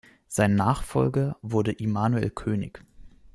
Sein Nachfolger wurde Immanuel König.